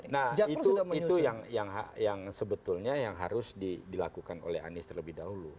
nah itu yang sebetulnya yang harus dilakukan oleh anies terlebih dahulu